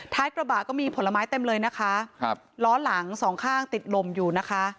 กระบะก็มีผลไม้เต็มเลยนะคะครับล้อหลังสองข้างติดลมอยู่นะคะ